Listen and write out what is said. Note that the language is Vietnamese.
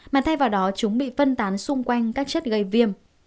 mà thay vào đó chúng bị phân tán xung quanh các chất gây viêm